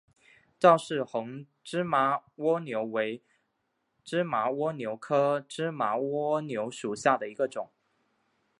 赵氏红芝麻蜗牛为芝麻蜗牛科芝麻蜗牛属下的一个种。